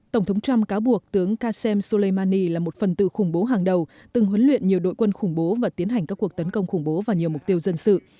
tổng thống trump cáo buộc tướng qasem soleimani là một phần từ khủng bố hàng đầu từng huấn luyện nhiều đội quân khủng bố và tiến hành các cuộc tấn công khủng bố vào nhiều mục tiêu dân sự